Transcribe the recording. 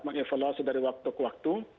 mengevaluasi dari waktu ke waktu